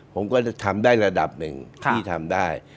ผมก็จะทำได้ระดับหนึ่งที่ทำได้